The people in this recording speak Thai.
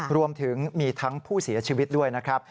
รวมถึงมีทั้งผู้เสียชีวิตด้วยนะครับ